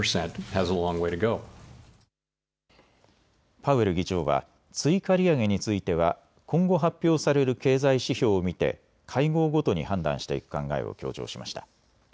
パウエル議長は追加利上げについては今後発表される経済指標を見て会合ごとに判断していく考えを強調しました。